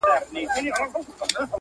د افغان ډياسپورا لاس ته لوېږي